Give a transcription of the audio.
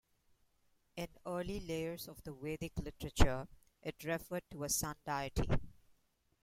In early layers of the Vedic literature, it referred to a sun deity.